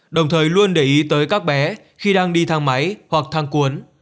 đồng thời luôn để ý tới các bé khi đang đi thang máy hoặc thang cuốn